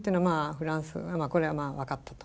フランスこれは分かったと。